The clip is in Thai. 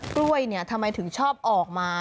กล้วยทำไมถึงชอบออกมา